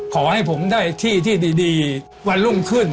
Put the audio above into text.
ขอให้ผมได้ที่ที่ดีวันรุ่งขึ้น